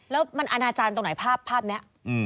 แล้วมันอนาจารย์ตรงไหนภาพนี้